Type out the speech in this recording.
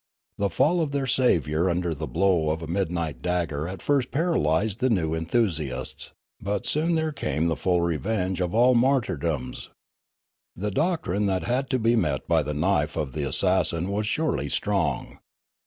The fall of their saviour under the blow of a midnight dagger at first paralysed the new enthusiasts ; but soon there came the full revenge of all martyrdoms. The doc trine that had to be met by the knife of the assassin was surel}' strong.